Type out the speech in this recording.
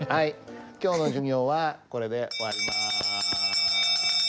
今日の授業はこれで終わります。